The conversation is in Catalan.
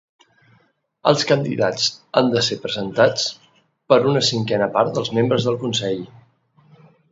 Els candidats han d'ésser presentats per una cinquena part dels membres del Consell.